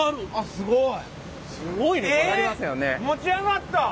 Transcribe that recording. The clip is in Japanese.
すごい！